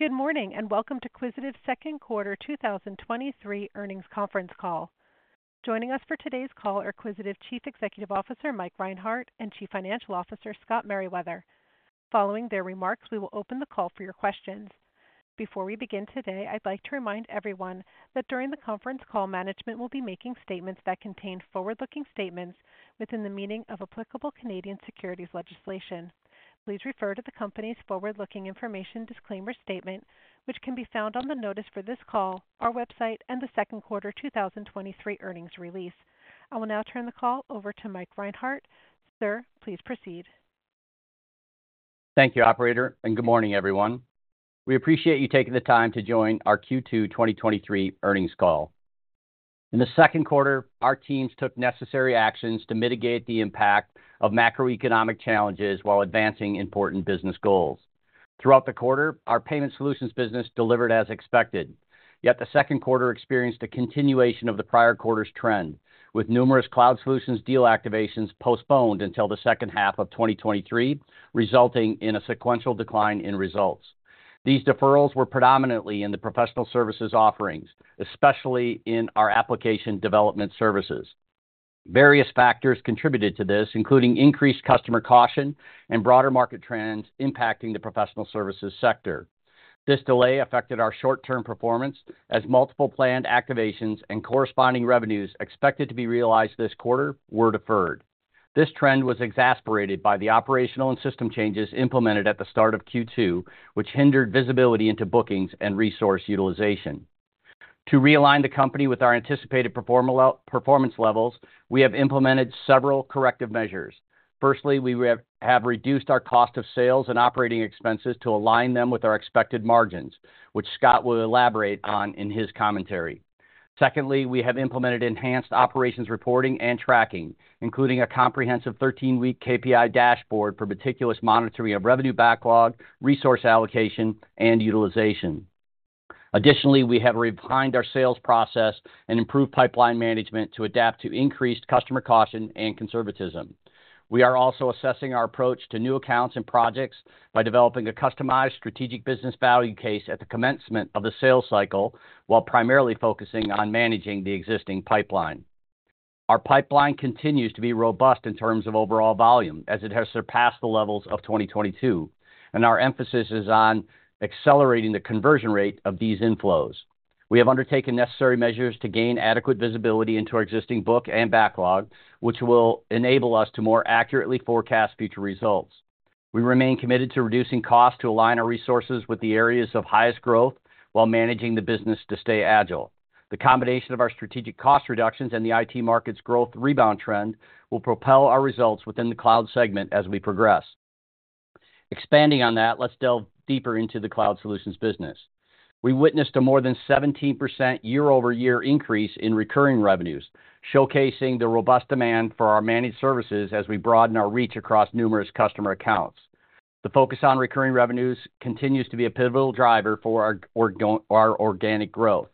Good morning, and welcome to Quisitive's Second Quarter 2023 Earnings Conference Call. Joining us for today's call are Quisitive Chief Executive Officer, Mike Reinhart, and Chief Financial Officer, Scott Meriwether. Following their remarks, we will open the call for your questions. Before we begin today, I'd like to remind everyone that during the conference call, management will be making statements that contain forward-looking statements within the meaning of applicable Canadian securities legislation. Please refer to the company's forward-looking information disclaimer statement, which can be found on the notice for this call, our website, and the second quarter 2023 earnings release. I will now turn the call over to Mike Reinhart. Sir, please proceed. Thank you, operator, and good morning, everyone. We appreciate you taking the time to join our Q2 2023 earnings call. In the second quarter, our teams took necessary actions to mitigate the impact of macroeconomic challenges while advancing important business goals. Throughout the quarter, our Payment Solutions business delivered as expected. Yet the second quarter experienced a continuation of the prior quarter's trend, with numerous cloud solutions deal activations postponed until the second half of 2023, resulting in a sequential decline in results. These deferrals were predominantly in the professional services offerings, especially in our application development services. Various factors contributed to this, including increased customer caution and broader market trends impacting the professional services sector. This delay affected our short-term performance as multiple planned activations and corresponding revenues expected to be realized this quarter were deferred. This trend was exacerbated by the operational and system changes implemented at the start of Q2, which hindered visibility into bookings and resource utilization. To realign the company with our anticipated performance levels, we have implemented several corrective measures. Firstly, we have reduced our cost of sales and operating expenses to align them with our expected margins, which Scott will elaborate on in his commentary. Secondly, we have implemented enhanced operations reporting and tracking, including a comprehensive 13-week KPI dashboard for meticulous monitoring of revenue backlog, resource allocation, and utilization. Additionally, we have refined our sales process and improved pipeline management to adapt to increased customer caution and conservatism. We are also assessing our approach to new accounts and projects by developing a customized strategic business value case at the commencement of the sales cycle, while primarily focusing on managing the existing pipeline. Our pipeline continues to be robust in terms of overall volume, as it has surpassed the levels of 2022, and our emphasis is on accelerating the conversion rate of these inflows. We have undertaken necessary measures to gain adequate visibility into our existing book and backlog, which will enable us to more accurately forecast future results. We remain committed to reducing costs to align our resources with the areas of highest growth while managing the business to stay agile. The combination of our strategic cost reductions and the IT market's growth rebound trend will propel our results within the cloud segment as we progress. Expanding on that, let's delve deeper into the cloud solutions business. We witnessed a more than 17% year-over-year increase in recurring revenues, showcasing the robust demand for our managed services as we broaden our reach across numerous customer accounts. The focus on recurring revenues continues to be a pivotal driver for our organic growth.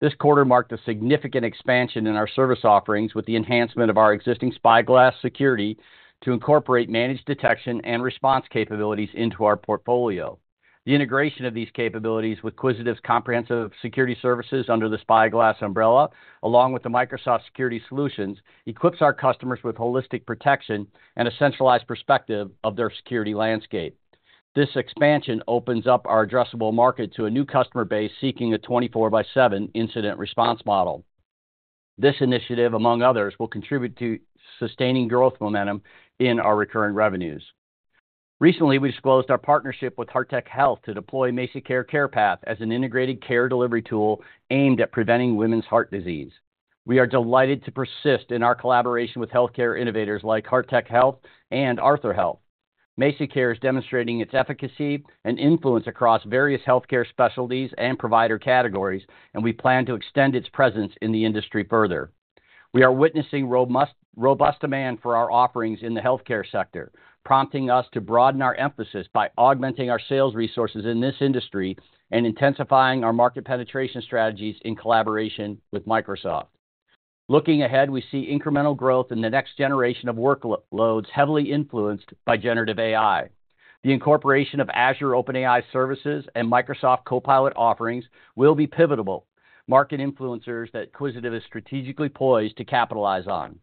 This quarter marked a significant expansion in our service offerings with the enhancement of our existing Spyglass security to incorporate managed detection and response capabilities into our portfolio. The integration of these capabilities with Quisitive's comprehensive security services under the Spyglass umbrella, along with the Microsoft Security Solutions, equips our customers with holistic protection and a centralized perspective of their security landscape. This expansion opens up our addressable market to a new customer base seeking a 24/7 incident response model. This initiative, among others, will contribute to sustaining growth momentum in our recurring revenues. Recently, we disclosed our partnership with Heart-Tech Health to deploy MazikCare Care Path as an integrated care delivery tool aimed at preventing women's heart disease. We are delighted to persist in our collaboration with healthcare innovators like Heart-Tech Health and Arthur Health. MazikCare is demonstrating its efficacy and influence across various healthcare specialties and provider categories, and we plan to extend its presence in the industry further. We are witnessing robust demand for our offerings in the healthcare sector, prompting us to broaden our emphasis by augmenting our sales resources in this industry and intensifying our market penetration strategies in collaboration with Microsoft. Looking ahead, we see incremental growth in the next generation of workloads, heavily influenced by generative AI. The incorporation of Azure OpenAI services and Microsoft Copilot offerings will be pivotal market influencers that Quisitive is strategically poised to capitalize on.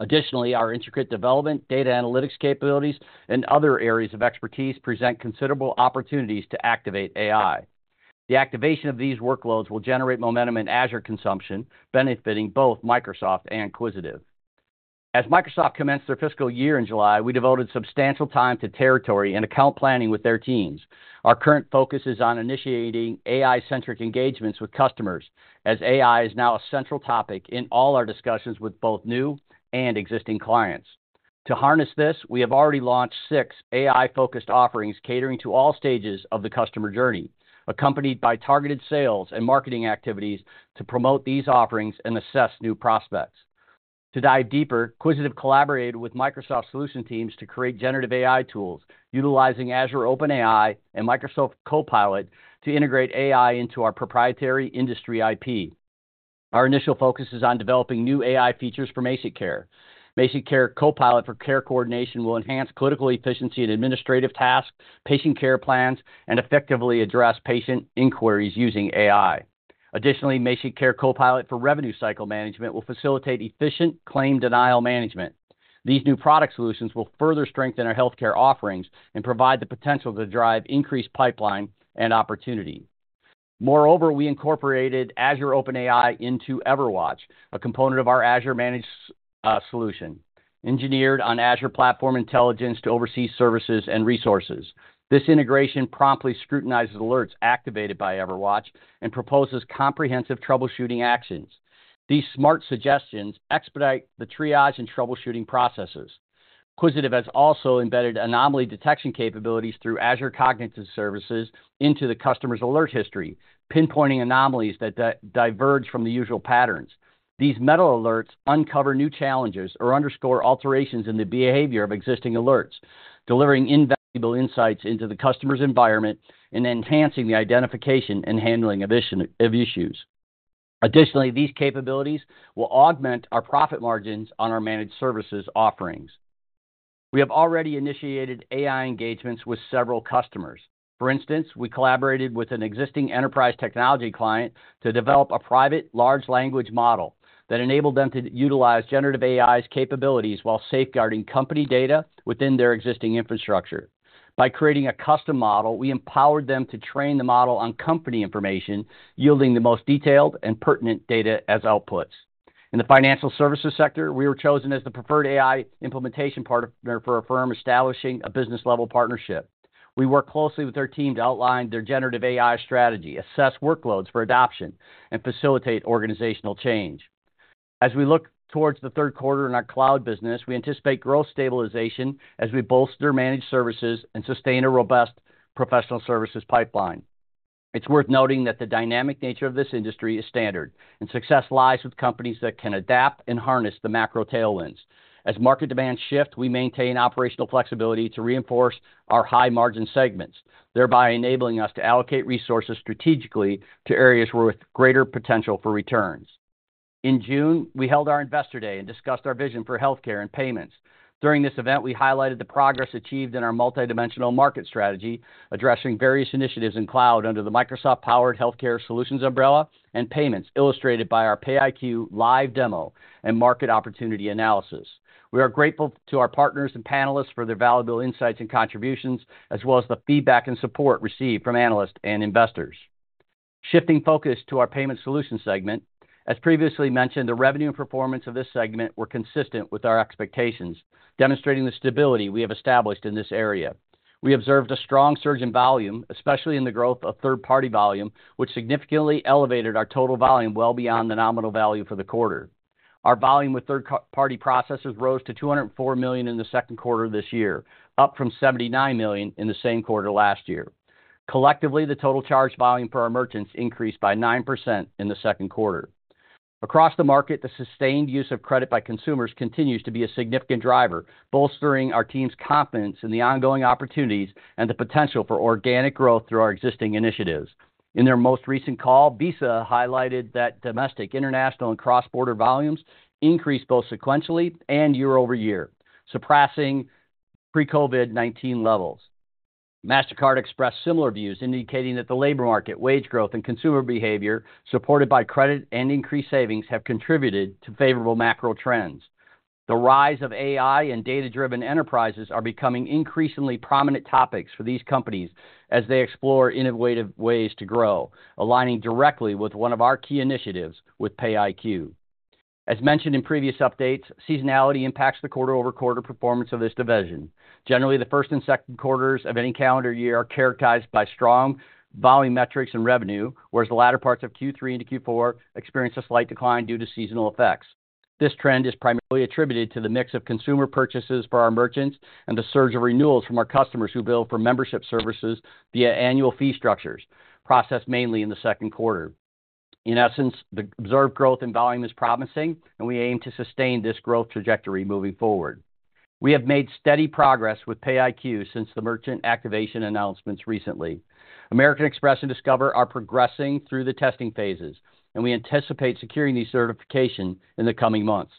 Additionally, our intricate development, data analytics capabilities, and other areas of expertise present considerable opportunities to activate AI. The activation of these workloads will generate momentum in Azure consumption, benefiting both Microsoft and Quisitive. As Microsoft commenced their fiscal year in July, we devoted substantial time to territory and account planning with their teams. Our current focus is on initiating AI-centric engagements with customers, as AI is now a central topic in all our discussions with both new and existing clients. To harness this, we have already launched six AI-focused offerings catering to all stages of the customer journey, accompanied by targeted sales and marketing activities to promote these offerings and assess new prospects. To dive deeper, Quisitive collaborated with Microsoft solution teams to create generative AI tools utilizing Azure OpenAI and Microsoft Copilot to integrate AI into our proprietary industry IP. Our initial focus is on developing new AI features for MazikCare. MazikCare Copilot for Care Coordination will enhance clinical efficiency in administrative tasks, patient care plans, and effectively address patient inquiries using AI. Additionally, MazikCare Copilot for Revenue Cycle Management will facilitate efficient claim denial management. These new product solutions will further strengthen our healthcare offerings and provide the potential to drive increased pipeline and opportunity. Moreover, we incorporated Azure OpenAI into EverWatch, a component of our Azure managed solution, engineered on Azure Platform Intelligence to oversee services and resources. This integration promptly scrutinizes alerts activated by EverWatch and proposes comprehensive troubleshooting actions. These smart suggestions expedite the triage and troubleshooting processes. Quisitive has also embedded anomaly detection capabilities through Azure Cognitive Services into the customer's alert history, pinpointing anomalies that diverge from the usual patterns. These meta alerts uncover new challenges or underscore alterations in the behavior of existing alerts, delivering invaluable insights into the customer's environment and enhancing the identification and handling of issues. Additionally, these capabilities will augment our profit margins on our managed services offerings. We have already initiated AI engagements with several customers. For instance, we collaborated with an existing enterprise technology client to develop a private large language model that enabled them to utilize generative AI's capabilities while safeguarding company data within their existing infrastructure. By creating a custom model, we empowered them to train the model on company information, yielding the most detailed and pertinent data as outputs. In the financial services sector, we were chosen as the preferred AI implementation partner for a firm establishing a business-level partnership. We worked closely with their team to outline their generative AI strategy, assess workloads for adoption, and facilitate organizational change. As we look towards the third quarter in our cloud business, we anticipate growth stabilization as we bolster managed services and sustain a robust professional services pipeline. It's worth noting that the dynamic nature of this industry is standard, and success lies with companies that can adapt and harness the macro tailwinds. As market demands shift, we maintain operational flexibility to reinforce our high-margin segments, thereby enabling us to allocate resources strategically to areas with greater potential for returns. In June, we held our Investor Day and discussed our vision for healthcare and payments. During this event, we highlighted the progress achieved in our multidimensional market strategy, addressing various initiatives in cloud under the Microsoft-powered healthcare solutions Our volume with third-party processors rose to $204 million in the second quarter of this year, up from $79 million in the same quarter last year. Collectively, the total charge volume for our merchants increased by 9% in the second quarter. Across the market, the sustained use of credit by consumers continues to be a significant driver, bolstering our team's confidence in the ongoing opportunities and the potential for organic growth through our existing initiatives. In their most recent call, Visa highlighted that domestic, international, and cross-border volumes increased both sequentially and year-over-year, surpassing pre-COVID-19 levels. Mastercard expressed similar views, indicating that the labor market, wage growth, and consumer behavior, supported by credit and increased savings, have contributed to favorable macro trends. The rise of AI and data-driven enterprises are becoming increasingly prominent topics for these companies as they explore innovative ways to grow, aligning directly with one of our key initiatives with PayiQ. As mentioned in previous updates, seasonality impacts the quarter-over-quarter performance of this division. Generally, the first and second quarters of any calendar year are characterized by strong volume metrics and revenue, whereas the latter parts of Q3 into Q4 experience a slight decline due to seasonal effects. This trend is primarily attributed to the mix of consumer purchases for our merchants and the surge of renewals from our customers who bill for membership services via annual fee structures, processed mainly in the second quarter. In essence, the observed growth in volume is promising, and we aim to sustain this growth trajectory moving forward. We have made steady progress with PayiQ since the merchant activation announcements recently. American Express and Discover are progressing through the testing phases, and we anticipate securing these certifications in the coming months.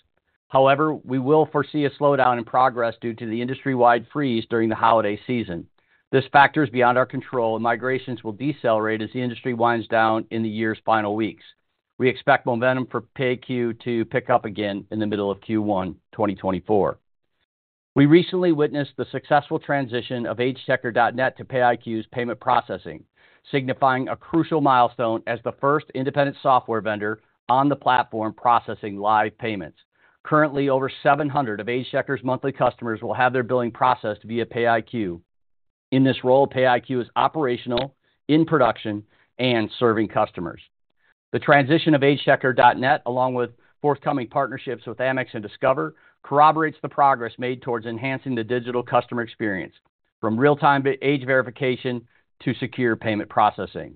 However, we will foresee a slowdown in progress due to the industry-wide freeze during the holiday season. This factor is beyond our control, and migrations will decelerate as the industry winds down in the year's final weeks. We expect momentum for PayiQ to pick up again in the middle of Q1 2024. We recently witnessed the successful transition of AgeChecker.Net to PayiQ's payment processing, signifying a crucial milestone as the first independent software vendor on the platform processing live payments. Currently, over 700 of AgeChecker.Net's monthly customers will have their billing processed via PayiQ. In this role, PayiQ is operational, in production, and serving customers. The transition of AgeChecker.Net, along with forthcoming partnerships with Amex and Discover, corroborates the progress made towards enhancing the digital customer experience, from real-time age verification to secure payment processing.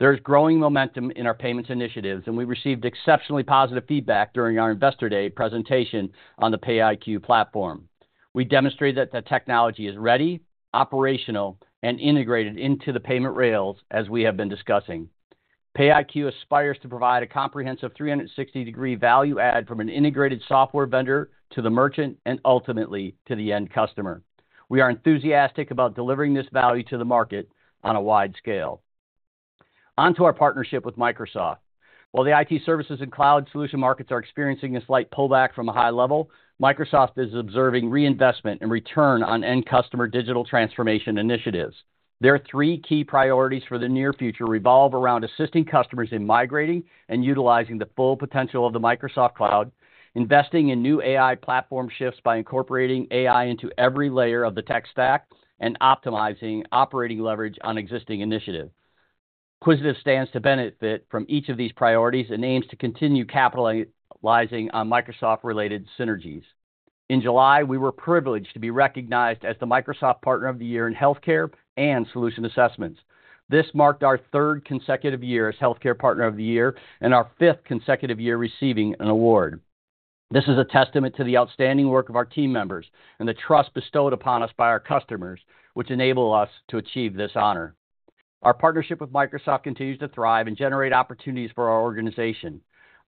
There's growing momentum in our payments initiatives, and we received exceptionally positive feedback during our Investor Day presentation on the PayiQ platform. We demonstrated that the technology is ready, operational, and integrated into the payment rails, as we have been discussing. PayiQ aspires to provide a comprehensive 360-degree value add from an integrated software vendor to the merchant and ultimately to the end customer. We are enthusiastic about delivering this value to the market on a wide scale. On to our partnership with Microsoft. While the IT services and cloud solution markets are experiencing a slight pullback from a high level, Microsoft is observing reinvestment and return on end customer digital transformation initiatives. There are three key priorities for the near future revolve around assisting customers in migrating and utilizing the full potential of the Microsoft Cloud, investing in new AI platform shifts by incorporating AI into every layer of the tech stack, and optimizing operating leverage on existing initiative. Quisitive stands to benefit from each of these priorities and aims to continue capitalizing on Microsoft-related synergies. In July, we were privileged to be recognized as the Microsoft Partner of the Year in Healthcare and Solution Assessments. This marked our third consecutive year as Healthcare Partner of the Year and our fifth consecutive year receiving an award. This is a testament to the outstanding work of our team members and the trust bestowed upon us by our customers, which enable us to achieve this honor. Our partnership with Microsoft continues to thrive and generate opportunities for our organization.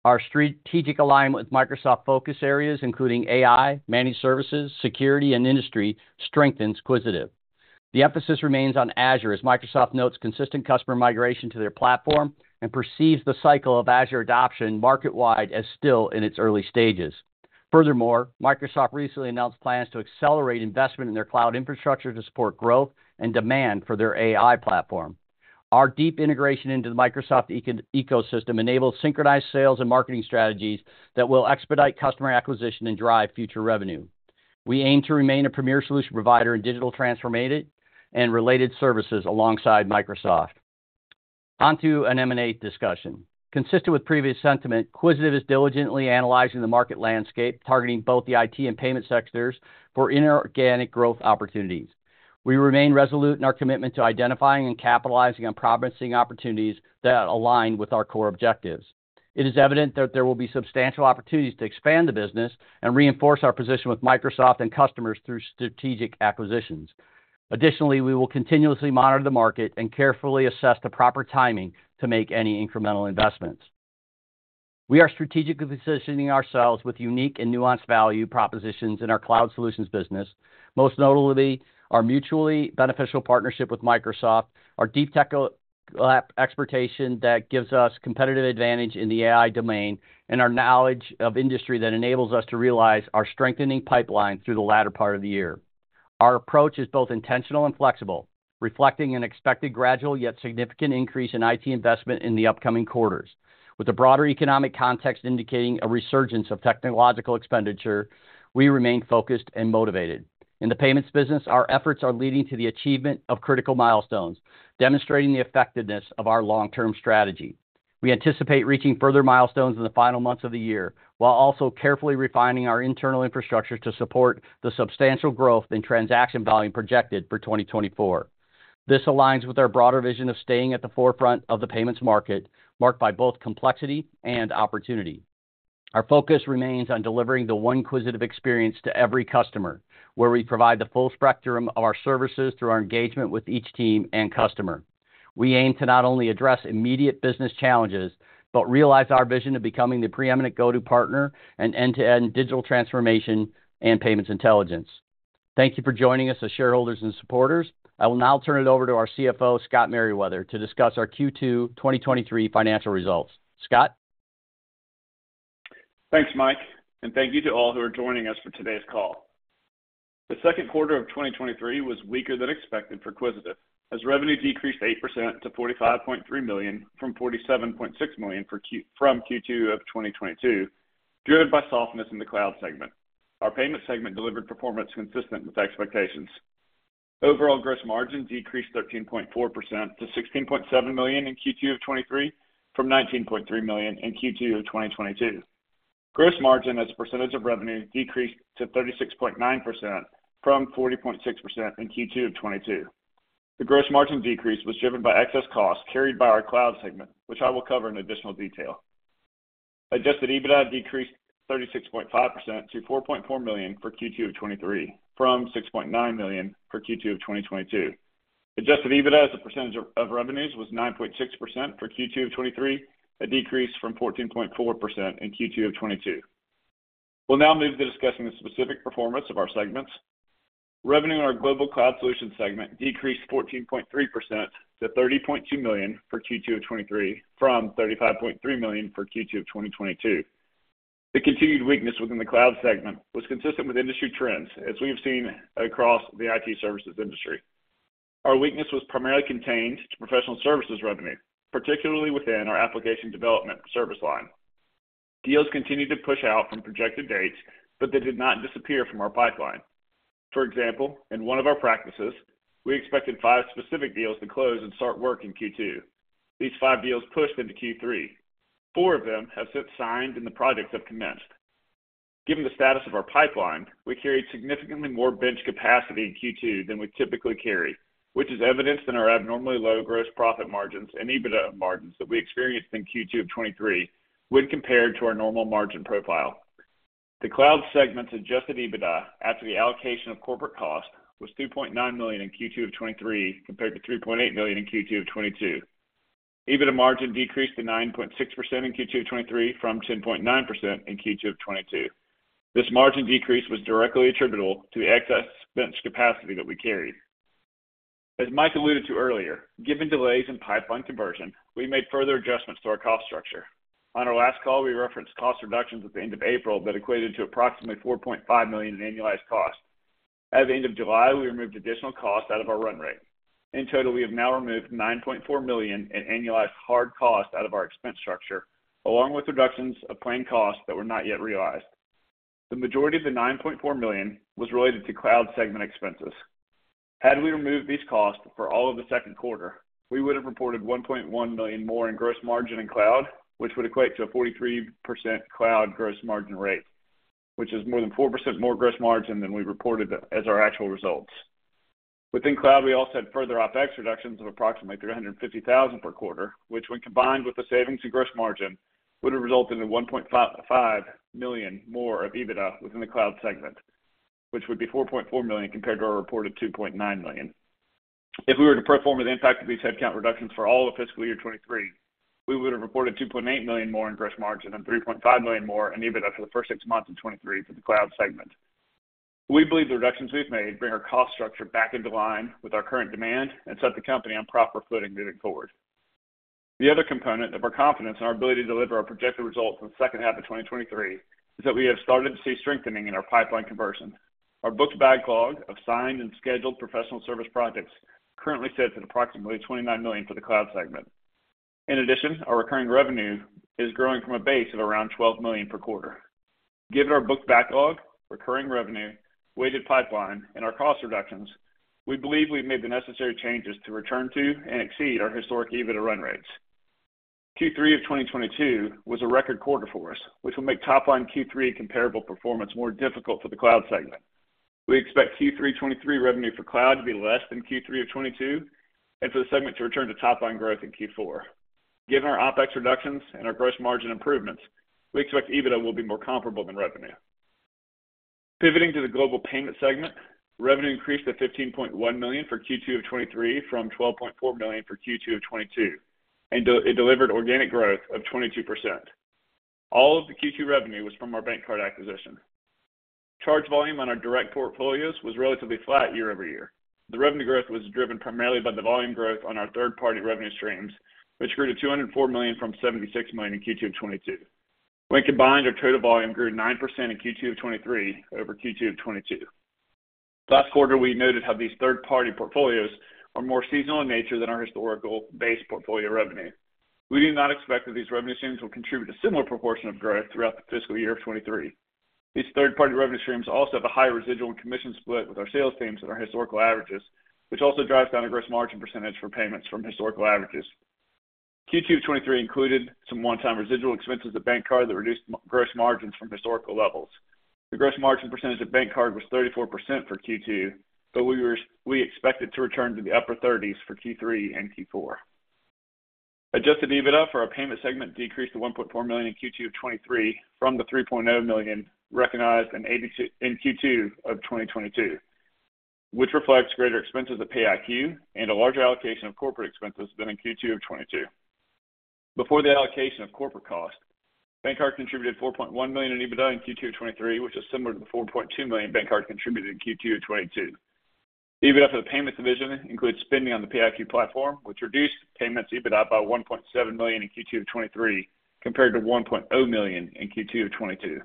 Our strategic alignment with Microsoft focus areas, including AI, managed services, security, and industry, strengthens Quisitive. The emphasis remains on Azure, as Microsoft notes consistent customer migration to their platform and perceives the cycle of Azure adoption market-wide as still in its early stages. Furthermore, Microsoft recently announced plans to accelerate investment in their cloud infrastructure to support growth and demand for their AI platform. Our deep integration into the Microsoft ecosystem enables synchronized sales and marketing strategies that will expedite customer acquisition and drive future revenue. We aim to remain a premier solution provider in digital transformation and related services alongside Microsoft. On to an M and A discussion. Consistent with previous sentiment, Quisitive is diligently analyzing the market landscape, targeting both the IT and payment sectors for inorganic growth opportunities. We remain resolute in our commitment to identifying and capitalizing on promising opportunities that align with our core objectives. It is evident that there will be substantial opportunities to expand the business and reinforce our position with Microsoft and customers through strategic acquisitions. Additionally, we will continuously monitor the market and carefully assess the proper timing to make any incremental investments. We are strategically positioning ourselves with unique and nuanced value propositions in our cloud solutions business, most notably our mutually beneficial partnership with Microsoft, our deep tech expertise that gives us competitive advantage in the AI domain, and our knowledge of industry that enables us to realize our strengthening pipeline through the latter part of the year. Our approach is both intentional and flexible, reflecting an expected gradual yet significant increase in IT investment in the upcoming quarters. With the broader economic context indicating a resurgence of technological expenditure, we remain focused and motivated. In the payments business, our efforts are leading to the achievement of critical milestones, demonstrating the effectiveness of our long-term strategy. We anticipate reaching further milestones in the final months of the year, while also carefully refining our internal infrastructure to support the substantial growth in transaction volume projected for 2024. This aligns with our broader vision of staying at the forefront of the payments market, marked by both complexity and opportunity. Our focus remains on delivering the one Quisitive experience to every customer, where we provide the full spectrum of our services through our engagement with each team and customer. We aim to not only address immediate business challenges, but realize our vision of becoming the preeminent go-to partner in end-to-end digital transformation and payments intelligence. Thank you for joining us as shareholders and supporters. I will now turn it over to our CFO, Scott Meriwether, to discuss our Q2 2023 financial results. Scott? Thanks, Mike, and thank you to all who are joining us for today's call. The second quarter of 2023 was weaker than expected for Quisitive, as revenue decreased 8% to $45.3 million from $47.6 million for Q2 of 2022, driven by softness in the cloud segment. Our payment segment delivered performance consistent with expectations. Overall gross margin decreased 13.4% to $16.7 million in Q2 of 2023, from $19.3 million in Q2 of 2022. Gross margin as a percentage of revenue decreased to 36.9% from 40.6% in Q2 of 2022. The gross margin decrease was driven by excess costs carried by our cloud segment, which I will cover in additional detail. Adjusted EBITDA decreased 36.5% to $4.4 million for Q2 of 2023, from $6.9 million for Q2 of 2022. Adjusted EBITDA as a percentage of revenues was 9.6% for Q2 of 2023, a decrease from 14.4% in Q2 of 2022. We'll now move to discussing the specific performance of our segments. Revenue in our global cloud solutions segment decreased 14.3% to $30.2 million for Q2 of 2023, from $35.3 million for Q2 of 2022. The continued weakness within the cloud segment was consistent with industry trends, as we have seen across the IT services industry. Our weakness was primarily contained to professional services revenue, particularly within our application development service line. Deals continued to push out from projected dates, but they did not disappear from our pipeline. For example, in one of our practices, we expected five specific deals to close and start work in Q2. These five deals pushed into Q3. Four of them have since signed, and the projects have commenced. Given the status of our pipeline, we carried significantly more bench capacity in Q2 than we typically carry, which is evidenced in our abnormally low gross profit margins and EBITDA margins that we experienced in Q2 of 2023 when compared to our normal margin profile. The cloud segment's Adjusted EBITDA after the allocation of corporate costs was $2.9 million in Q2 of 2023, compared to $3.8 million in Q2 of 2022. EBITDA margin decreased to 9.6% in Q2 of 2023 from 10.9% in Q2 of 2022. This margin decrease was directly attributable to the excess expense capacity that we carried. As Mike alluded to earlier, given delays in pipeline conversion, we made further adjustments to our cost structure. On our last call, we referenced cost reductions at the end of April that equated to approximately $4.5 million in annualized cost. At the end of July, we removed additional costs out of our run rate. In total, we have now removed $9.4 million in annualized hard costs out of our expense structure, along with reductions of planned costs that were not yet realized. The majority of the $9.4 million was related to cloud segment expenses. Had we removed these costs for all of the second quarter, we would have reported $1.1 million more in gross margin in cloud, which would equate to a 43% cloud gross margin rate, which is more than 4% more gross margin than we reported as our actual results. Within cloud, we also had further OpEx reductions of approximately $350,000 per quarter, which, when combined with the savings and gross margin, would have resulted in $1.5 million more of EBITDA within the cloud segment, which would be $4.4 million compared to our reported $2.9 million. If we were to pro forma the impact of these headcount reductions for all of fiscal year 2023, we would have reported $2.8 million more in gross margin and $3.5 million more in EBITDA for the first six months of 2023 for the cloud segment. We believe the reductions we've made bring our cost structure back into line with our current demand and set the company on proper footing moving forward. The other component of our confidence in our ability to deliver our projected results in the second half of 2023, is that we have started to see strengthening in our pipeline conversion. Our booked backlog of signed and scheduled professional service projects currently sits at approximately $29 million for the cloud segment. In addition, our recurring revenue is growing from a base of around $12 million per quarter. Given our booked backlog, recurring revenue, weighted pipeline, and our cost reductions, we believe we've made the necessary changes to return to and exceed our historic EBITDA run rates. Q3 of 2022 was a record quarter for us, which will make top-line Q3 comparable performance more difficult for the cloud segment. We expect Q3 2023 revenue for cloud to be less than Q3 of 2022, and for the segment to return to top-line growth in Q4. Given our OpEx reductions and our gross margin improvements, we expect EBITDA will be more comparable than revenue. Pivoting to the global payment segment, revenue increased to $15.1 million for Q2 of 2023 from $12.4 million for Q2 of 2022, and it delivered organic growth of 22%. All of the Q2 revenue was from our BankCard acquisition. Charge volume on our direct portfolios was relatively flat year-over-year. The revenue growth was driven primarily by the volume growth on our third-party revenue streams, which grew to $204 million from $76 million in Q2 of 2022. When combined, our total volume grew 9% in Q2 of 2023 over Q2 of 2022. Last quarter, we noted how these third-party portfolios are more seasonal in nature than our historical base portfolio revenue. We do not expect that these revenue streams will contribute a similar proportion of growth throughout the fiscal year of 2023. These third-party revenue streams also have a higher residual and commission split with our sales teams than our historical averages, which also drives down the gross margin percentage for payments from historical averages. Q2 of 2023 included some one-time residual expenses of BankCard that reduced gross margins from historical levels. The gross margin percentage of BankCard was 34% for Q2, but we expect it to return to the upper 30s for Q3 and Q4. Adjusted EBITDA for our payment segment decreased to $1.4 million in Q2 of 2023 from the $3.0 million recognized in Q2 of 2022, which reflects greater expenses of PayiQ and a larger allocation of corporate expenses than in Q2 of 2022. Before the allocation of corporate costs, BankCard contributed $4.1 million in EBITDA in Q2 of 2023, which is similar to the $4.2 million BankCard contributed in Q2 of 2022. The EBITDA for the payments division includes spending on the PayiQ platform, which reduced payments EBITDA by $1.7 million in Q2 of 2023, compared to $1.0 million in Q2 of 2022.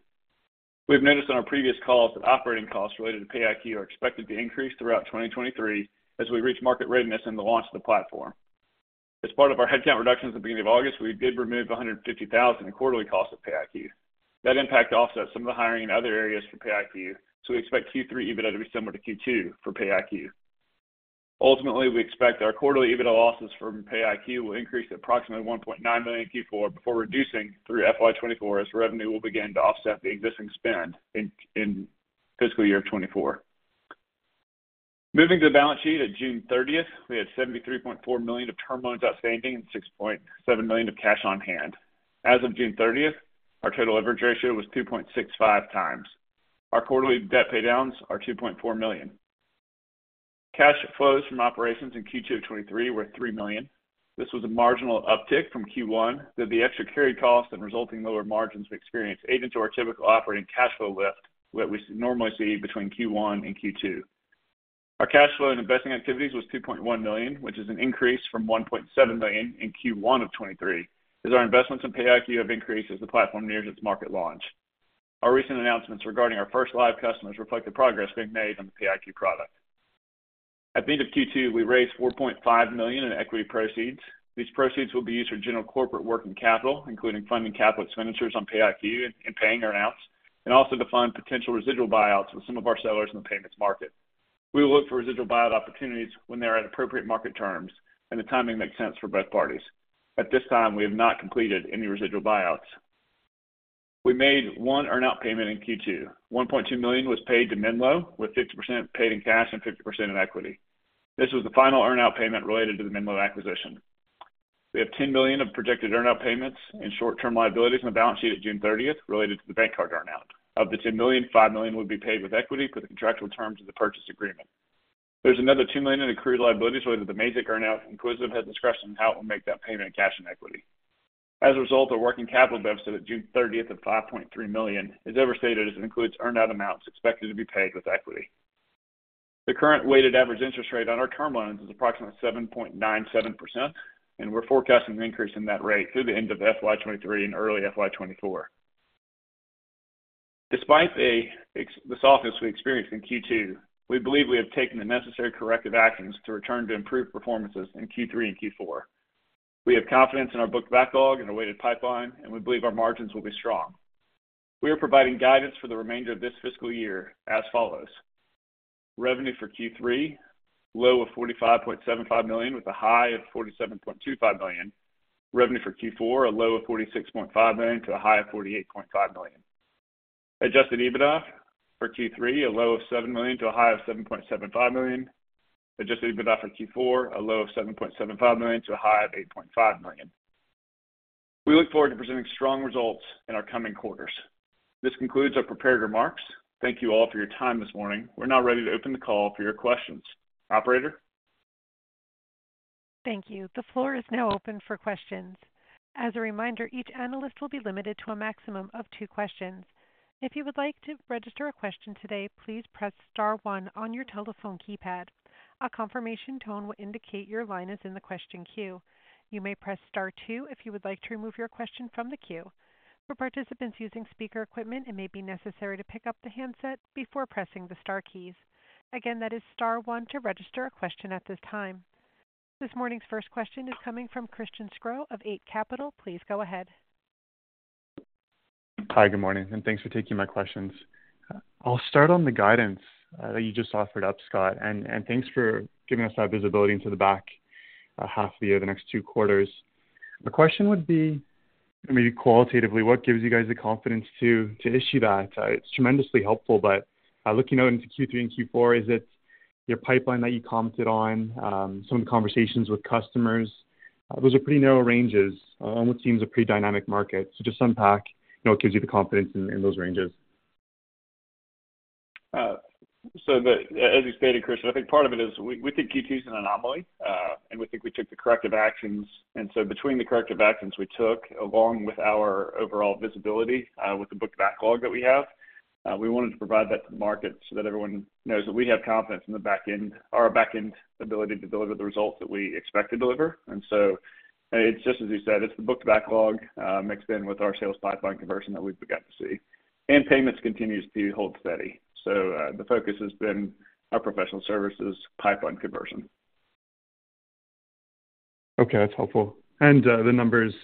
We've noticed on our previous calls that operating costs related to PayiQ are expected to increase throughout 2023 as we reach market readiness in the launch of the platform. As part of our headcount reductions at the beginning of August, we did remove $150,000 in quarterly costs ofPayiQ. That impact offsets some of the hiring in other areas for PayiQ, so we expect Q3 EBITDA to be similar to Q2 for PayiQ. Ultimately, we expect our quarterly EBITDA losses from PayiQ will increase to approximately $1.9 million in Q4 before reducing through FY 2024, as revenue will begin to offset the existing spend in fiscal year of 2024. Moving to the balance sheet at June 30, we had $73.4 million of term loans outstanding and $6.7 million of cash on hand. As of June 30, our total leverage ratio was 2.65 times. Our quarterly debt paydowns are $2.4 million. Cash flows from operations in Q2 of 2023 were $3 million. This was a marginal uptick from Q1, though the extra carry costs and resulting lower margins we experienced aided to our typical operating cash flow lift that we normally see between Q1 and Q2. Our cash flow in investing activities was $2.1 million, which is an increase from $1.7 million in Q1 of 2023, as our investments in PayiQ have increased as the platform nears its market launch. Our recent announcements regarding our first live customers reflect the progress being made on the PayiQ product. At the end of Q2, we raised $4.5 million in equity proceeds. These proceeds will be used for general corporate working capital, including funding capital expenditures on PayiQ and paying earn-outs, and also to fund potential residual buyouts with some of our sellers in the payments market. We will look for residual buyout opportunities when they are at appropriate market terms, and the timing makes sense for both parties. At this time, we have not completed any residual buyouts. We made one earn-out payment in Q2. $1.2 million was paid to Menlo, with 60% paid in cash and 50% in equity. This was the final earn-out payment related to the Menlo acquisition.... We have $10 million of projected earnout payments and short-term liabilities on the balance sheet at June thirtieth, related to the BankCard earnout. Of the $10 million, $5 million would be paid with equity per the contractual terms of the purchase agreement. There's another $2 million in accrued liabilities related to the Mazik earnout, and Quisitive has discretion on how it will make that payment in cash and equity. As a result, our working capital deficit at June 30th of $5.3 million is overstated, as it includes earned out amounts expected to be paid with equity. The current weighted average interest rate on our term loans is approximately 7.97%, and we're forecasting an increase in that rate through the end of FY 2023 and early FY 2024. Despite the softness we experienced in Q2, we believe we have taken the necessary corrective actions to return to improved performances in Q3 and Q4. We have confidence in our booked backlog and our weighted pipeline, and we believe our margins will be strong. We are providing guidance for the remainder of this fiscal year as follows: Revenue for Q3, low of $45.75 million-$47.25 million. Revenue for Q4, a low of $46.5 million-$48.5 million. Adjusted EBITDA for Q3, a low of $7 million-$7.75 million. Adjusted EBITDA for Q4, a low of $7.75 million-$8.5 million. We look forward to presenting strong results in our coming quarters. This concludes our prepared remarks. Thank you all for your time this morning. We're now ready to open the call for your questions. Operator? Thank you. The floor is now open for questions. As a reminder, each analyst will be limited to a maximum of two questions. If you would like to register a question today, please press star one on your telephone keypad. A confirmation tone will indicate your line is in the question queue. You may press star two if you would like to remove your question from the queue. For participants using speaker equipment, it may be necessary to pick up the handset before pressing the star keys. Again, that is star one to register a question at this time. This morning's first question is coming from Christian Sgro of Eight Capital. Please go ahead. Hi, good morning, and thanks for taking my questions. I'll start on the guidance that you just offered up, Scott, and thanks for giving us that visibility into the back half of the year, the next two quarters. The question would be, maybe qualitatively, what gives you guys the confidence to issue that? It's tremendously helpful, but looking out into Q3 and Q4, is it your pipeline that you commented on? Some of the conversations with customers, those are pretty narrow ranges, what seems a pretty dynamic market. So just unpack, you know, what gives you the confidence in those ranges. So as you stated, Christian, I think part of it is we, we think Q2 is an anomaly, and we think we took the corrective actions. And so between the corrective actions we took, along with our overall visibility, with the booked backlog that we have, we wanted to provide that to the market so that everyone knows that we have confidence in the back-end, our back-end ability to deliver the results that we expect to deliver. And so it's just as you said, it's the booked backlog, mixed in with our sales pipeline conversion that we've begun to see. And payments continues to hold steady. So, the focus has been our professional services pipeline conversion. Okay, that's helpful. And, the numbers,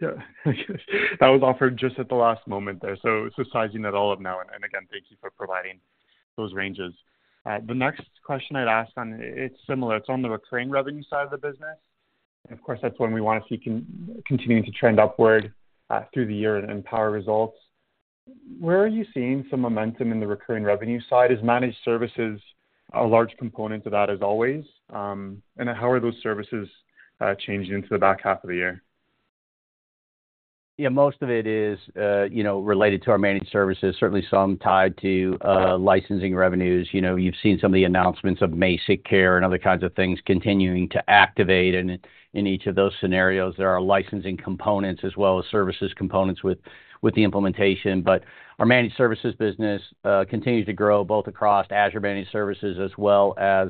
yeah, that was offered just at the last moment there, so sizing that all up now. And again, thank you for providing those ranges. The next question I'd ask, and it's similar, it's on the recurring revenue side of the business. And of course, that's when we want to see continuing to trend upward through the year and power results. Where are you seeing some momentum in the recurring revenue side? Is managed services a large component of that, as always? And how are those services changing into the back half of the year? Yeah, most of it is, you know, related to our managed services, certainly some tied to licensing revenues. You know, you've seen some of the announcements of MazikCare and other kinds of things continuing to activate. And in each of those scenarios, there are licensing components as well as services components with the implementation. But our managed services business continues to grow both across Azure managed services as well as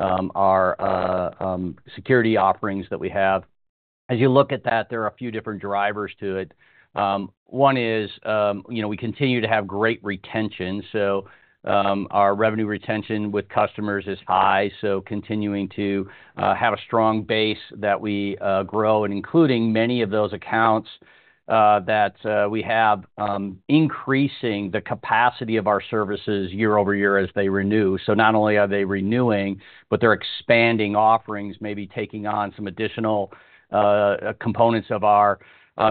our security offerings that we have. As you look at that, there are a few different drivers to it. One is, you know, we continue to have great retention, so our revenue retention with customers is high. So continuing to have a strong base that we grow, and including many of those accounts that we have, increasing the capacity of our services year over year as they renew. So not only are they renewing, but they're expanding offerings, maybe taking on some additional components of our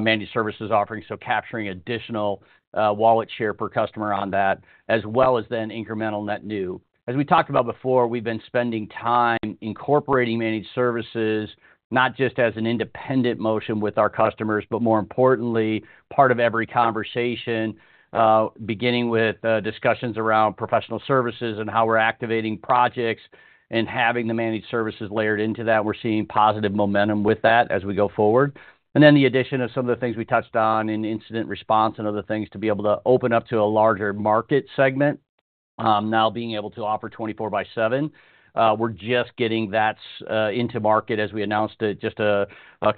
managed services offerings. So capturing additional wallet share per customer on that, as well as then incremental net new. As we talked about before, we've been spending time incorporating managed services, not just as an independent motion with our customers, but more importantly, part of every conversation, beginning with discussions around professional services and how we're activating projects and having the managed services layered into that. We're seeing positive momentum with that as we go forward. Then the addition of some of the things we touched on in incident response and other things to be able to open up to a larger market segment. Now being able to offer 24 by 7. We're just getting that into market as we announced it just a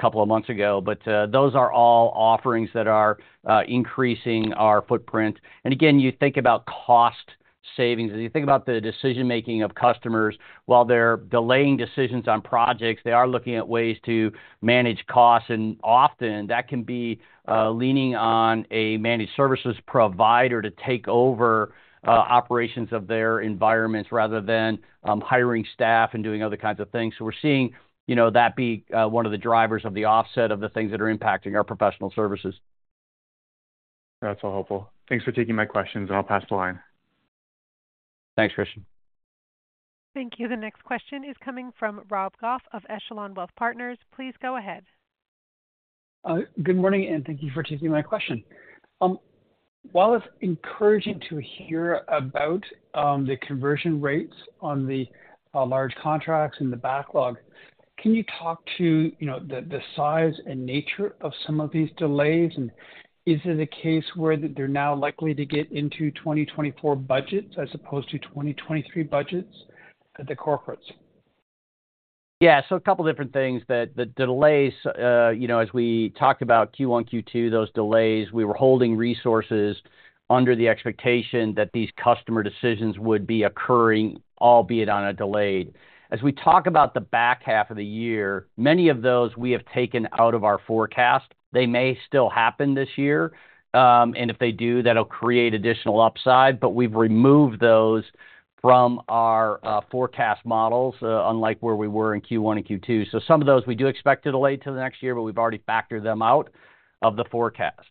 couple of months ago. But, those are all offerings that are increasing our footprint. And again, you think about cost savings. As you think about the decision-making of customers, while they're delaying decisions on projects, they are looking at ways to manage costs, and often that can be leaning on a managed services provider to take over operations of their environments rather than hiring staff and doing other kinds of things. So we're seeing, you know, that one of the drivers of the offset of the things that are impacting our professional services.... That's all helpful. Thanks for taking my questions, and I'll pass the line. Thanks, Christian. Thank you. The next question is coming from Robert Goff of Echelon Wealth Partners. Please go ahead. Good morning, and thank you for taking my question. While it's encouraging to hear about the conversion rates on the large contracts and the backlog, can you talk to, you know, the size and nature of some of these delays? And is it a case where they're now likely to get into 2024 budgets as opposed to 2023 budgets at the corporates? Yeah, so a couple different things. The delays, you know, as we talked about Q1, Q2, those delays, we were holding resources under the expectation that these customer decisions would be occurring, albeit on a delayed. As we talk about the back half of the year, many of those we have taken out of our forecast. They may still happen this year, and if they do, that'll create additional upside. But we've removed those from our forecast models, unlike where we were in Q1 and Q2. So some of those we do expect to delay till the next year, but we've already factored them out of the forecast.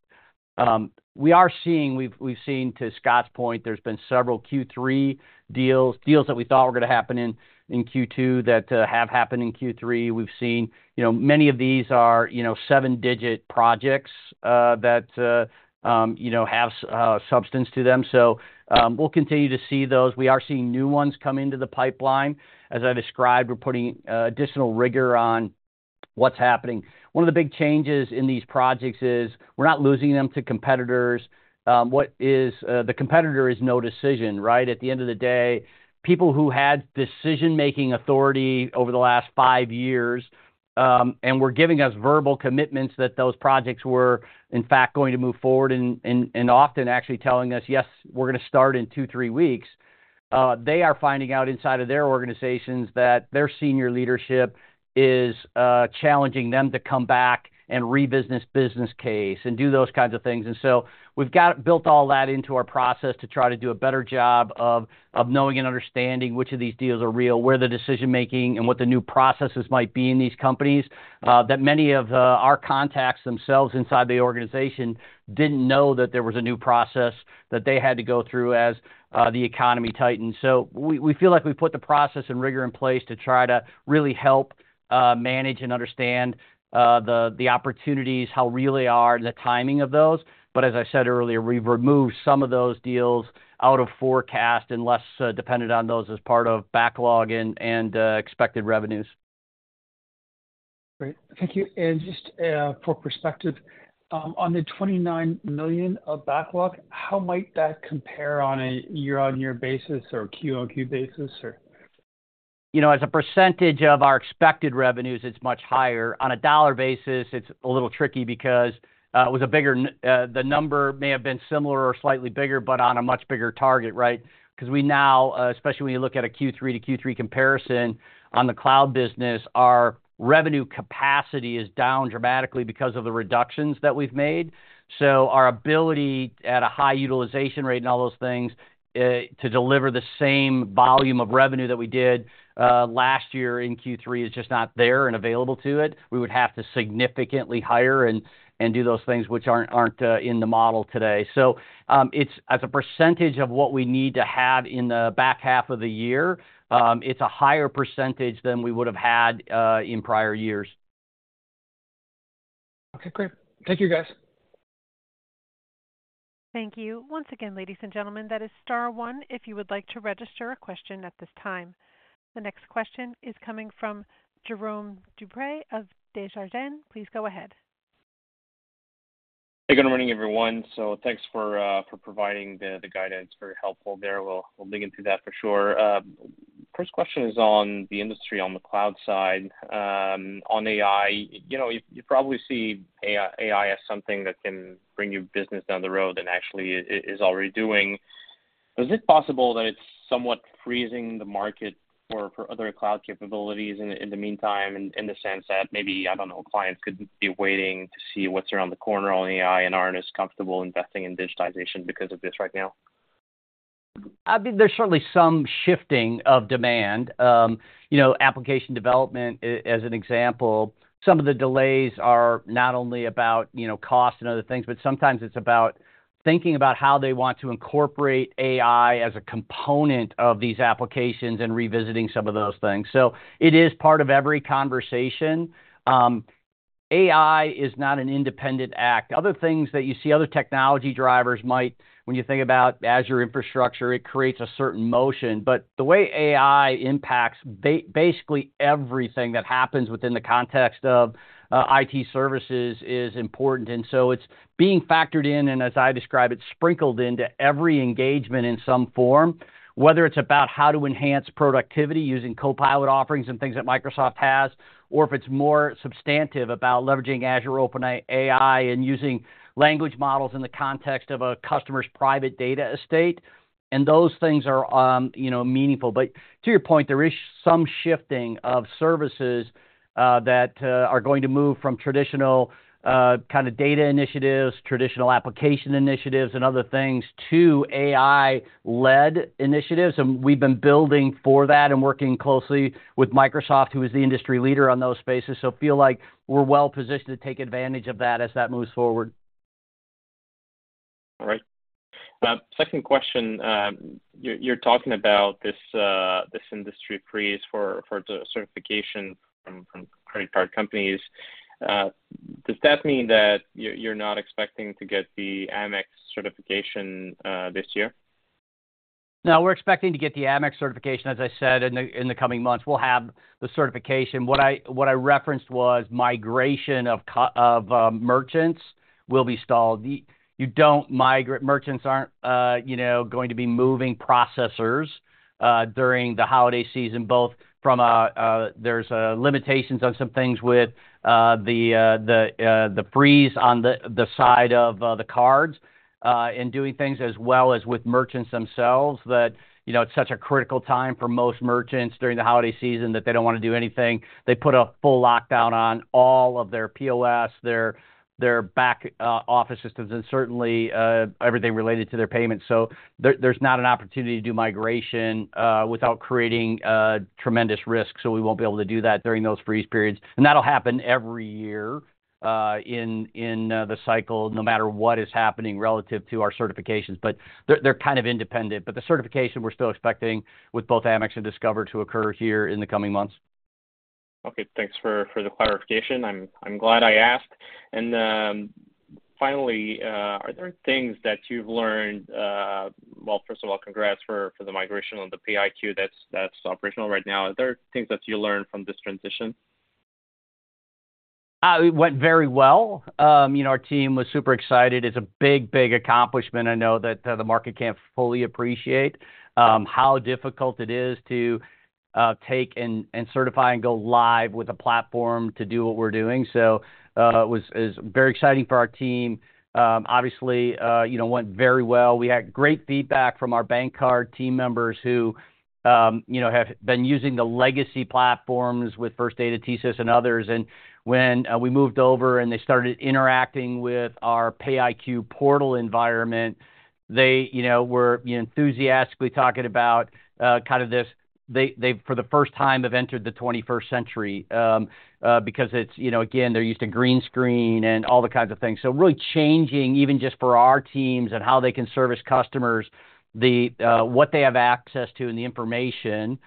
We are seeing, we've seen to Scott's point, there's been several Q3 deals, deals that we thought were going to happen in Q2, that have happened in Q3. We've seen... You know, many of these are, you know, seven-digit projects that you know have substance to them. So, we'll continue to see those. We are seeing new ones come into the pipeline. As I described, we're putting additional rigor on what's happening. One of the big changes in these projects is we're not losing them to competitors. What is the competitor is no decision, right? At the end of the day, people who had decision-making authority over the last five years and were giving us verbal commitments that those projects were in fact going to move forward, and often actually telling us, "Yes, we're going to start in 2-3 weeks," they are finding out inside of their organizations that their senior leadership is challenging them to come back and re-business business case and do those kinds of things. So we've got built all that into our process to try to do a better job of knowing and understanding which of these deals are real, where the decision making and what the new processes might be in these companies. That many of our contacts themselves inside the organization didn't know that there was a new process that they had to go through as the economy tightened. So we feel like we put the process and rigor in place to try to really help manage and understand the opportunities, how real they are, and the timing of those. But as I said earlier, we've removed some of those deals out of forecast and less dependent on those as part of backlog and expected revenues. Great. Thank you. And just, for perspective, on the $29 million of backlog, how might that compare on a year-on-year basis or Q-on-Q basis, or? You know, as a percentage of our expected revenues, it's much higher. On a dollar basis, it's a little tricky because, it was a bigger, the number may have been similar or slightly bigger, but on a much bigger target, right? Because we now, especially when you look at a Q3 to Q3 comparison on the cloud business, our revenue capacity is down dramatically because of the reductions that we've made. So our ability at a high utilization rate and all those things, to deliver the same volume of revenue that we did, last year in Q3, is just not there and available to it. We would have to significantly hire and do those things which aren't in the model today. So, it's as a percentage of what we need to have in the back half of the year. It's a higher percentage than we would have had in prior years. Okay, great. Thank you, guys. Thank you. Once again, ladies and gentlemen, that is star one, if you would like to register a question at this time. The next question is coming from Jérôme Dubreuil of Desjardins. Please go ahead. Hey, good morning, everyone. So thanks for providing the guidance. Very helpful there. We'll dig into that for sure. First question is on the industry, on the cloud side, on AI. You know, you probably see AI as something that can bring you business down the road and actually is already doing. Is it possible that it's somewhat freezing the market for other cloud capabilities in the meantime, in the sense that maybe, I don't know, clients could be waiting to see what's around the corner on AI and aren't as comfortable investing in digitization because of this right now? I mean, there's certainly some shifting of demand. You know, application development, as an example, some of the delays are not only about, you know, cost and other things, but sometimes it's about thinking about how they want to incorporate AI as a component of these applications and revisiting some of those things. So it is part of every conversation. AI is not an independent act. Other things that you see, other technology drivers might, when you think about Azure infrastructure, it creates a certain motion. But the way AI impacts basically everything that happens within the context of IT services is important, and so it's being factored in, and as I describe it, sprinkled into every engagement in some form. Whether it's about how to enhance productivity using Copilot offerings and things that Microsoft has, or if it's more substantive about leveraging Azure OpenAI and using language models in the context of a customer's private data estate, and those things are, you know, meaningful. But to your point, there is some shifting of services that are going to move from traditional kind of data initiatives, traditional application initiatives, and other things to AI-led initiatives. And we've been building for that and working closely with Microsoft, who is the industry leader on those spaces. So feel like we're well positioned to take advantage of that as that moves forward.... All right. Second question. You're talking about this industry freeze for the certification from credit card companies. Does that mean that you're not expecting to get the Amex certification this year? No, we're expecting to get the Amex certification, as I said, in the coming months. We'll have the certification. What I referenced was migration of merchants will be stalled. Merchants aren't, you know, going to be moving processors during the holiday season, both from a, there's limitations on some things with the freeze on the side of the cards in doing things, as well as with merchants themselves. That, you know, it's such a critical time for most merchants during the holiday season that they don't want to do anything. They put a full lockdown on all of their POS, their back office systems, and certainly everything related to their payments. So there, there's not an opportunity to do migration without creating tremendous risk. So we won't be able to do that during those freeze periods, and that'll happen every year in the cycle, no matter what is happening relative to our certifications. But they're kind of independent. But the certification, we're still expecting with both Amex and Discover to occur here in the coming months. Okay. Thanks for the clarification. I'm glad I asked. And finally, are there things that you've learned... Well, first of all, congrats for the migration on the PayiQ that's operational right now. Are there things that you learned from this transition? It went very well. You know, our team was super excited. It's a big, big accomplishment. I know that the market can't fully appreciate how difficult it is to take and certify and go live with a platform to do what we're doing. So, it was very exciting for our team. Obviously, you know, went very well. We had great feedback from our BankCard team members who, you know, have been using the legacy platforms with First Data, TSYS and others. And when we moved over and they started interacting with our PayiQ portal environment, they, you know, were enthusiastically talking about kind of this, they've, for the first time, entered the twenty-first century. Because it's, you know, again, they're used to green screen and all the kinds of things. So really changing, even just for our teams and how they can service customers, the what they have access to and the information,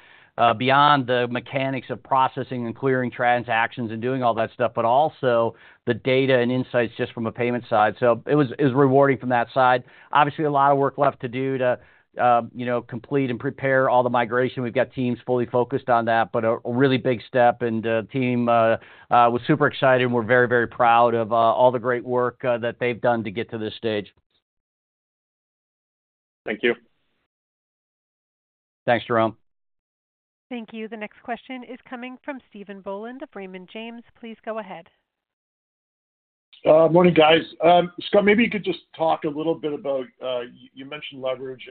beyond the mechanics of processing and clearing transactions and doing all that stuff, but also the data and insights just from a payment side. So it was it was rewarding from that side. Obviously, a lot of work left to do to, you know, complete and prepare all the migration. We've got teams fully focused on that, but a really big step, and the team was super excited, and we're very, very proud of all the great work that they've done to get to this stage. Thank you. Thanks, Jérôme. Thank you. The next question is coming from Stephen Boland of Raymond James. Please go ahead. Morning, guys. Scott, maybe you could just talk a little bit about, you mentioned leverage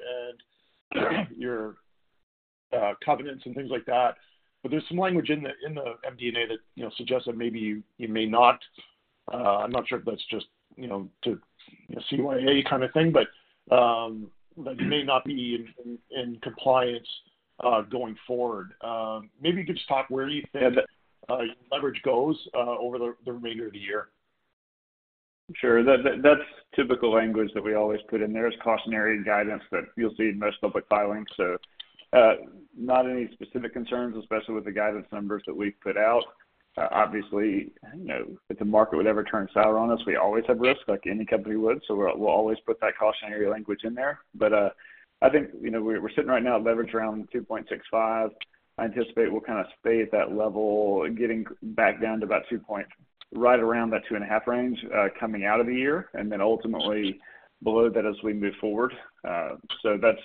and your covenants and things like that, but there's some language in the MD&A that, you know, suggests that maybe you may not, I'm not sure if that's just, you know, to, you know, CYA kind of thing, but, that you may not be in compliance going forward. Maybe you could just talk where you think leverage goes over the remainder of the year. Sure. That's typical language that we always put in there as cautionary guidance that you'll see in most public filings. So, not any specific concerns, especially with the guidance numbers that we've put out. Obviously, you know, if the market would ever turn sour on us, we always have risk, like any company would. So we'll, we'll always put that cautionary language in there. But, I think, you know, we're, we're sitting right now at leverage around 2.65. I anticipate we'll kind of stay at that level, getting back down to about two point- right around that 2.5 range, coming out of the year, and then ultimately below that as we move forward. So that's,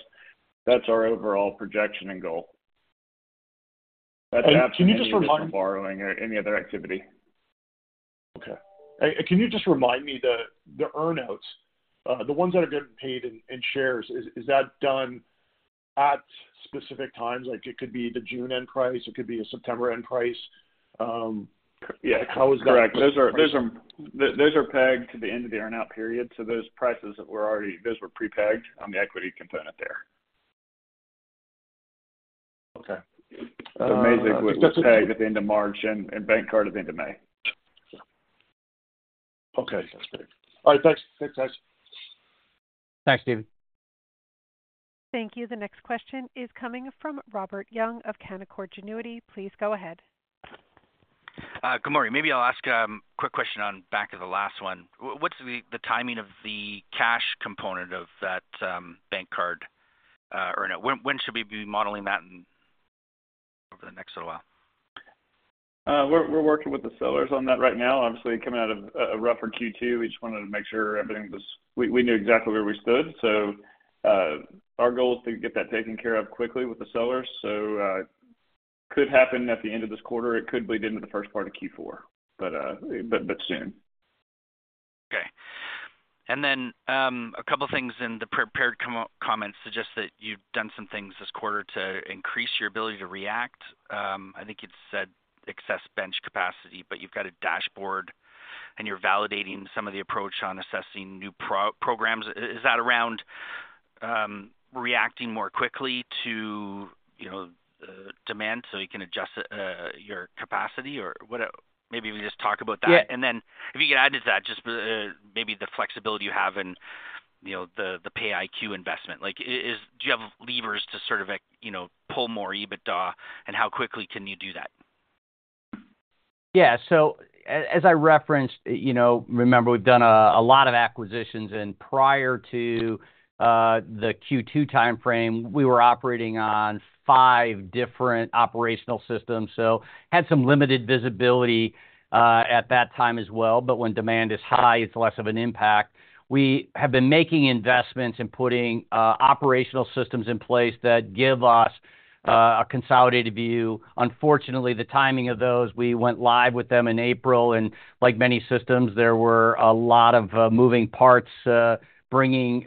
that's our overall projection and goal. Can you just remind- Borrowing or any other activity. Okay. Can you just remind me, the earnouts, the ones that have been paid in shares, is that done at specific times? Like, it could be the June end price, it could be a September end price. Yeah, how is that? Correct. Those are pegged to the end of the earnout period. So those prices that were already... Those were pre-pegged on the equity component there. Okay. Mazik was pegged at the end of March and BankCard at the end of May. Okay. All right, thanks. Thanks, guys. Thanks, Stephen. Thank you. The next question is coming from Robert Young of Canaccord Genuity. Please go ahead. Good morning. Maybe I'll ask a quick question on back of the last one. What's the timing of the cash component of that BankCard earnout? When should we be modeling that in over the next little while? We're working with the sellers on that right now. Obviously, coming out of a rougher Q2, we just wanted to make sure everything was, we knew exactly where we stood. So, our goal is to get that taken care of quickly with the sellers. So, could happen at the end of this quarter. It could bleed into the first part of Q4, but soon. Okay. And then, a couple things in the prepared comments suggest that you've done some things this quarter to increase your ability to react. I think you said excess bench capacity, but you've got a dashboard, and you're validating some of the approach on assessing new programs. Is that around-... reacting more quickly to, you know, demand, so you can adjust your capacity? Or what, maybe we just talk about that. Yeah. And then if you could add to that, just maybe the flexibility you have in, you know, the PayiQ investment. Like, do you have levers to sort of, you know, pull more EBITDA, and how quickly can you do that? Yeah. So as I referenced, you know, remember, we've done a lot of acquisitions, and prior to the Q2 timeframe, we were operating on five different operational systems, so had some limited visibility at that time as well. But when demand is high, it's less of an impact. We have been making investments in putting operational systems in place that give us a consolidated view. Unfortunately, the timing of those, we went live with them in April, and like many systems, there were a lot of moving parts, bringing,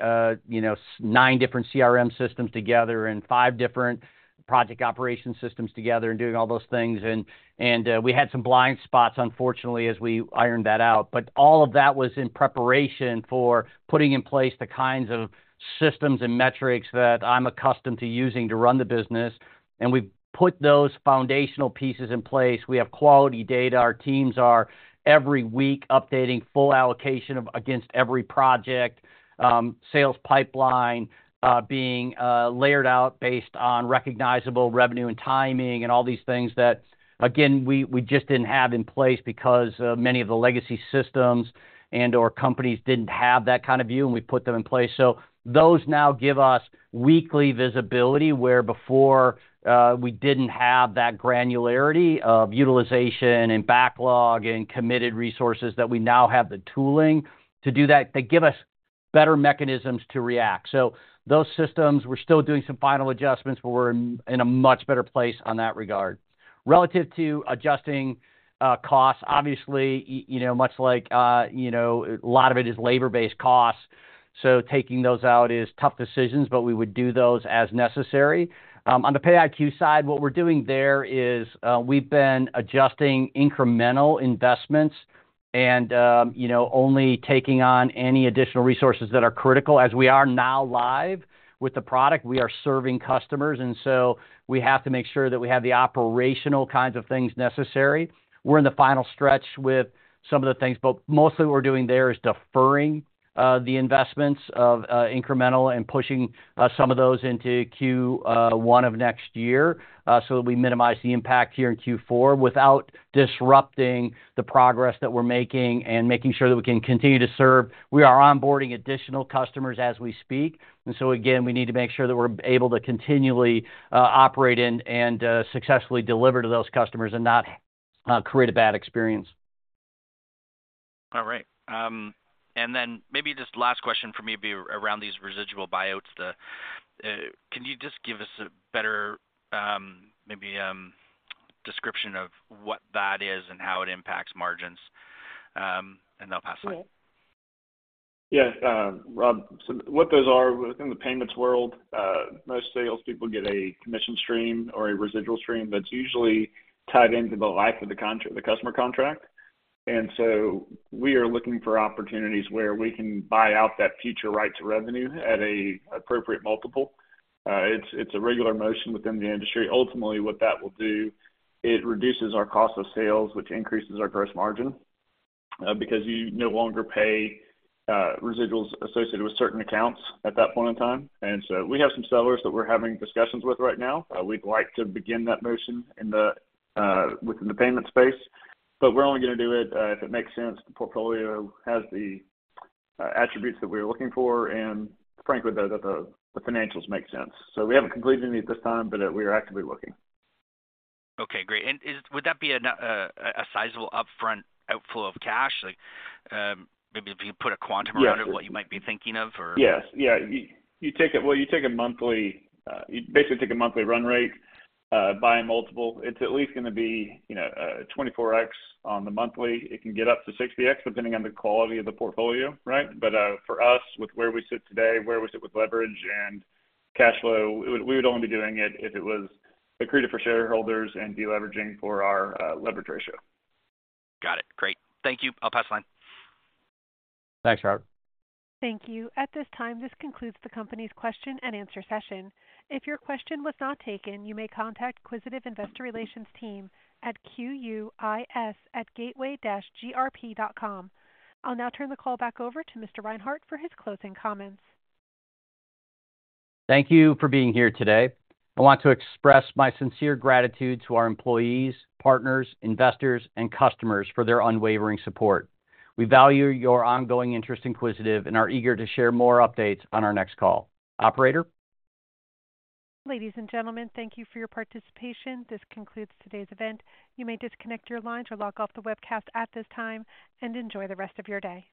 you know, nine different CRM systems together and five different project operation systems together and doing all those things. And we had some blind spots, unfortunately, as we ironed that out. But all of that was in preparation for putting in place the kinds of systems and metrics that I'm accustomed to using to run the business. We've put those foundational pieces in place. We have quality data. Our teams are, every week, updating full allocation against every project, sales pipeline being layered out based on recognizable revenue and timing and all these things that, again, we, we just didn't have in place because many of the legacy systems and/or companies didn't have that kind of view, and we put them in place. Those now give us weekly visibility, where before we didn't have that granularity of utilization and backlog and committed resources that we now have the tooling to do that. They give us better mechanisms to react. So those systems, we're still doing some final adjustments, but we're in a much better place on that regard. Relative to adjusting costs, obviously, you know, much like you know, a lot of it is labor-based costs, so taking those out is tough decisions, but we would do those as necessary. On the PayiQ side, what we're doing there is, we've been adjusting incremental investments and, you know, only taking on any additional resources that are critical. As we are now live with the product, we are serving customers, and so we have to make sure that we have the operational kinds of things necessary. We're in the final stretch with some of the things, but mostly what we're doing there is deferring the investments of incremental and pushing some of those into Q1 of next year, so that we minimize the impact here in Q4 without disrupting the progress that we're making and making sure that we can continue to serve. We are onboarding additional customers as we speak, and so again, we need to make sure that we're able to continually operate and successfully deliver to those customers and not create a bad experience. All right. And then maybe just last question for me would be around these residual buyouts. Can you just give us a better maybe description of what that is and how it impacts margins? And I'll pass the line. Yeah, Rob, so what those are, within the payments world, most salespeople get a commission stream or a residual stream that's usually tied into the life of the customer contract. And so we are looking for opportunities where we can buy out that future right to revenue at an appropriate multiple. It's a regular motion within the industry. Ultimately, what that will do, it reduces our cost of sales, which increases our gross margin, because you no longer pay residuals associated with certain accounts at that point in time. And so we have some sellers that we're having discussions with right now. We'd like to begin that motion within the payment space, but we're only going to do it if it makes sense. The portfolio has the attributes that we're looking for, and frankly, the financials make sense. So we haven't completed any at this time, but we are actively looking. Okay, great. And would that be a sizable upfront outflow of cash? Like, maybe if you put a quantum around it? Yes... what you might be thinking of, or? Yes. Yeah, you, you take a, well, you take a monthly, you basically take a monthly run rate by a multiple. It's at least going to be, you know, 24x on the monthly. It can get up to 60x, depending on the quality of the portfolio, right? But, for us, with where we sit today, where we sit with leverage and cash flow, we, we would only be doing it if it was accretive for shareholders and deleveraging for our leverage ratio. Got it. Great. Thank you. I'll pass the line. Thanks, Rob. Thank you. At this time, this concludes the company's question and answer session. If your question was not taken, you may contact Quisitive Investor Relations team at quis@gateway-grp.com. I'll now turn the call back over to Mr. Reinhart for his closing comments. Thank you for being here today. I want to express my sincere gratitude to our employees, partners, investors, and customers for their unwavering support. We value your ongoing interest in Quisitive and are eager to share more updates on our next call. Operator? Ladies and gentlemen, thank you for your participation. This concludes today's event. You may disconnect your lines or log off the webcast at this time, and enjoy the rest of your day.